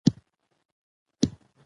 لیکوال د پوهانو نظرونه راټول کړي دي.